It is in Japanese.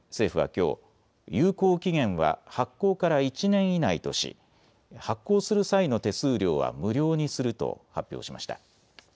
この確認書について政府はきょう有効期限は発行から１年以内とし発行する際の手数料は無料にすると発表しました。